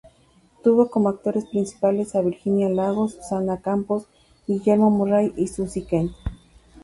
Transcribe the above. Tuvo como actores principales a Virginia Lago, Susana Campos, Guillermo Murray y Susy Kent.